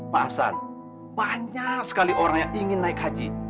pak hasan banyak sekali orang yang ingin naik haji